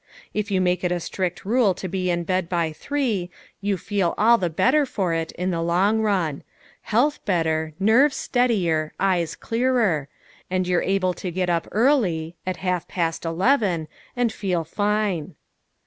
If you make it a strict rule to be in bed by three, you feel all the better for it in the long run health better, nerves steadier, eyes clearer and you're able to get up early at half past eleven and feel fine.